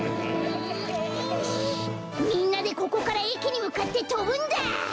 みんなでここからえきにむかってとぶんだ！